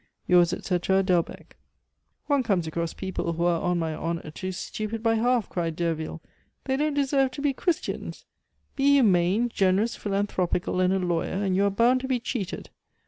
"Yours, etc., DELBECQ." "One comes across people who are, on my honor, too stupid by half," cried Derville. "They don't deserve to be Christians! Be humane, generous, philanthropical, and a lawyer, and you are bound to be cheated!